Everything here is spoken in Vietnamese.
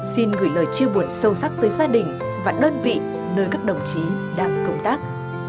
xin gửi lời chia buồn sâu sắc tới gia đình và đơn vị nơi các đồng chí đang công tác